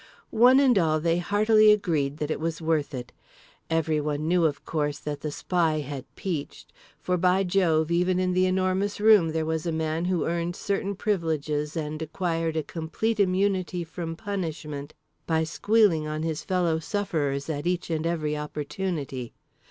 One and all, they heartily agreed that it was worth it. Everyone knew, of course, that the Spy had peached. For, by Jove, even in The Enormous Room there was a man who earned certain privileges and acquired a complete immunity from punishment by squealing on his fellow sufferers at each and every opportunity.